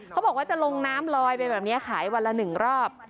เขาบอกว่าจะลงน้ำลอยไปแบบนี้ขายวันละ๑รอบ